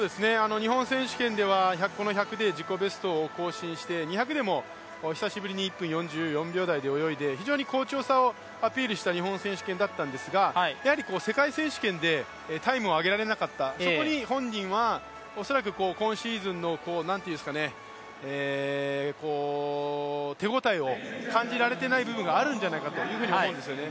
日本選手権では１００で自己ベストを更新して２００でも久しぶりに１分４４秒台で泳いで非常に好調さをアピールした日本選手権だったんですが、やはり世界選手権でタイムを上げられなかった、そこに本人は恐らく今シーズンの手応えを感じられていない部分があるんじゃないかと思うんですね。